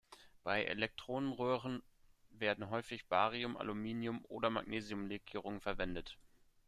Bei Elektronenröhren werden häufig Barium-, Aluminium- oder Magnesiumlegierungen verwendet.